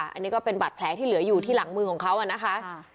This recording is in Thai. อันนี้ก็เป็นบาดแผลที่เหลืออยู่ที่หลังมือของเขานะคะ